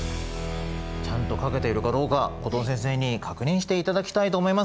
ちゃんと書けているかどうか後藤先生に確認していただきたいと思います。